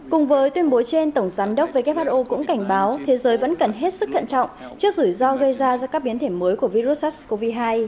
cùng với tuyên bố trên tổng giám đốc who cũng cảnh báo thế giới vẫn cần hết sức thận trọng trước rủi ro gây ra do các biến thể mới của virus sars cov hai